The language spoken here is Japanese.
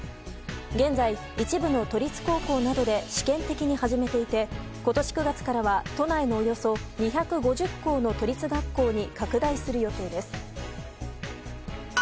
現在、一部の都立高校などで試験的に始めていて今年９月からは都内のおよそ２５０校の都立学校に拡大する予定です。